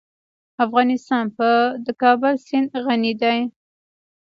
افغانستان په د کابل سیند غني دی.